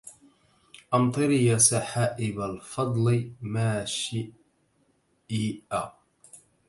أمطري يا سحائب الفضل ما شئ